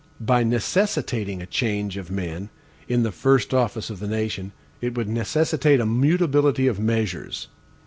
By necessitating a change of men, in the first office of the nation, it would necessitate a mutability of measures.